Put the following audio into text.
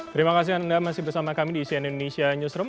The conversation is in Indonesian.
terima kasih anda masih bersama kami di cnn indonesia newsroom